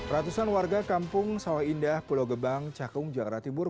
ratusan warga kampung sawah indah pulau gebang cakung jakarta timur